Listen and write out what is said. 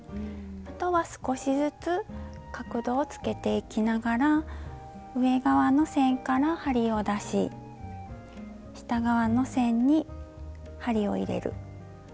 あとは少しずつ角度をつけていきながら上側の線から針を出し下側の線に針を入れる。